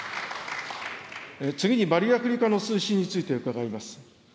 次にバリアフリー化の推進について伺います。